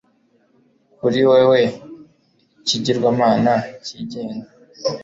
Kuri wewe ikigirwamana cyigenga